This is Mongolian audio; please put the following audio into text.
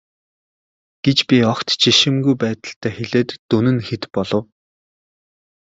гэж би огт жишимгүй байдалтай хэлээд дүн нь хэд болов.